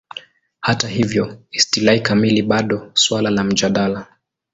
Hata hivyo, istilahi kamili bado suala la mjadala.